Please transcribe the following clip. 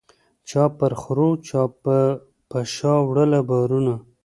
چا پر خرو چا به په شا وړله بارونه